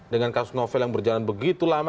dengan kasus novel yang berjalan begitu lama